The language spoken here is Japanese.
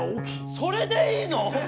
それでいいの！？